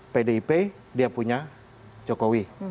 pdip dia punya jokowi